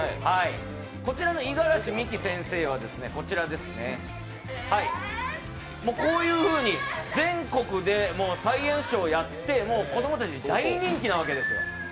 こちらの五十嵐美樹先生はこういうふうに全国でサイエンスショーをやって子供たちに大人気なわけです。